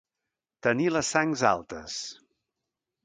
Tenir les sangs altes.